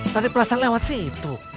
tadi perasaan lewat situ